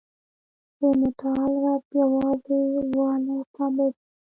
د متعال رب یوازي والی ثابت سو.